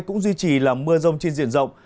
cũng duy trì là mưa rong trên diện rộng